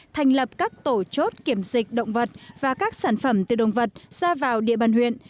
thành lập các tổ chốt kiểm dịch động vật và các sản phẩm từ động vật ra vào địa bàn huyện